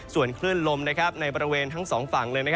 ส่วนคลื่นลมในบริเวณทั้งสองฝั่งเลย